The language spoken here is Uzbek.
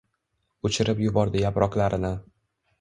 Uchirib yubordi yaproqlarini.